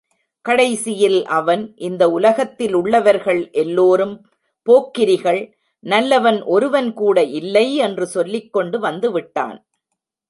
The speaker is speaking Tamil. கடைசியில் அவன், இந்த உலகத்திலுள்ளவர்கள் எல்லோரும் போக்கிரிகள், நல்லவன் ஒருவன்கூட இல்லை என்று சொல்லிக் கொண்டு வந்துவிட்டான்.